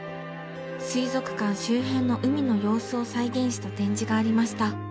水族館周辺の海の様子を再現した展示がありました。